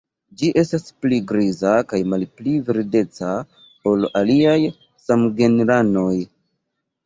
Ĝi estas pli griza kaj malpli verdeca ol aliaj samgenranoj.